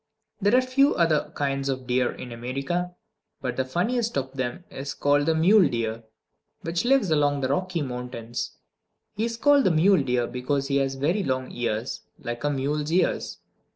There are a few other kinds of deer in America, but the funniest of them is called the mule deer, which lives along the Rocky Mountains. He is called the mule deer because he has very long ears, like a mule's ears.